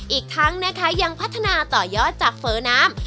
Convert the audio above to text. อีกทั้งนะคะยังพัฒนาต่อยอดจากเฟ้อน้ำ